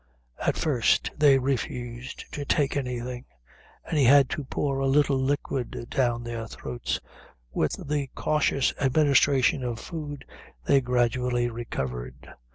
At first they refused to take anything, and he had to pour a little liquid down their throats with the cautious administration of food they gradually recovered.